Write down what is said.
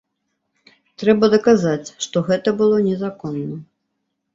Трэба даказаць, што гэта было незаконна.